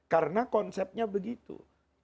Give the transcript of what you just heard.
karena konsepnya begitu